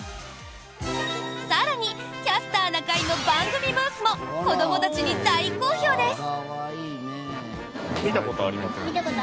更に「キャスターな会」の番組ブースも子どもたちに大好評です。